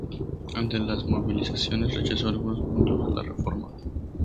Ante las movilizaciones, rechazó algunos puntos de la reforma.